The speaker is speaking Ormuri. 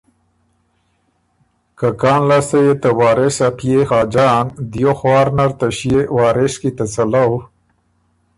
که کان لاسته يې ته وارث ا پئے خاجان دیو خوار نر ته ݭيې وارث کی ته څلؤ